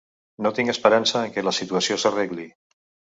No tinc esperança en què la situació s’arregli.